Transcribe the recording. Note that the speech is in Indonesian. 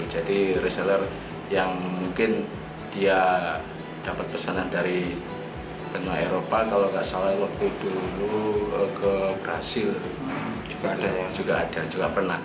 jadi reseller yang mungkin dia dapat pesanan dari benua eropa kalau gak salah waktu dulu ke brazil juga ada juga pernah